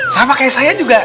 sama kayak saya juga